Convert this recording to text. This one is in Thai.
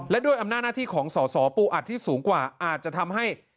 และด้วยอำนาจหน้าที่ของสอสอปูอัดที่สูงกว่าอาจจะทำให้